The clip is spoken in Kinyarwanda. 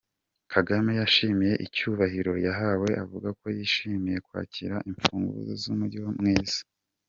Kagame yashimye icyubahiro yahawe avuga ko yishimiye kwakira imfunguzo z’umujyi mwiza.